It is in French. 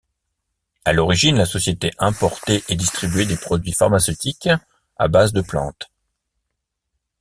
À l'origine, la société importait et distribuait des produits pharmaceutiques à base de plantes.